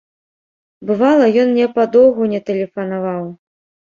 Бывала, ён мне падоўгу не тэлефанаваў.